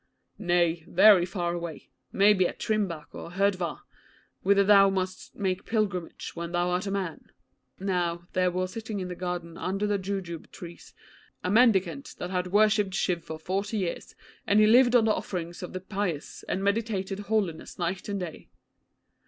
'Nay, very far away. Maybe at Trimbak or Hurdwar, whither thou must make pilgrimage when thou art a man. Now, there was sitting in the garden under the jujube trees, a mendicant that had worshipped Shiv for forty years, and he lived on the offerings of the pious, and meditated holiness night and day.'